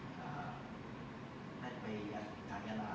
ให้ไปทางยาลา